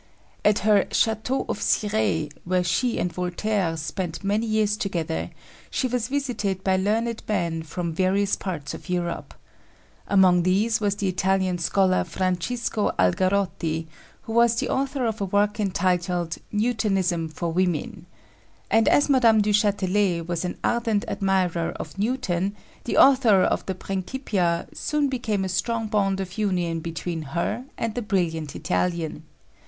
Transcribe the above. At her Chateau of Cirey, where she and Voltaire spent many years together, she was visited by learned men from various parts of Europe. Among these was the Italian scholar, Francisco Algarotti, who was the author of a work entitled Newtonism for Women. And as Mme. du Châtelet was an ardent admirer of Newton, the author of the Principia soon became a strong bond of union between her and the brilliant Italian.